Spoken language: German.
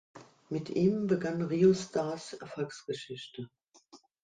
Mit ihm begann Rio-Stars Erfolgsgeschichte.